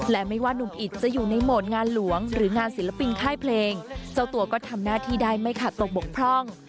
และไม่ว่านุ่มอิตจะอยู่ในโหมดงานหลวงหรืองานศิลปินค่ายเพลงเจ้าตัวก็ทำหน้าที่ได้ไม่ขาดตกบกพร่อง